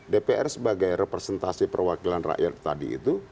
dpr sebagai representasi perwakilan rakyat tadi itu